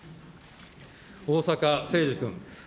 逢坂誠二君。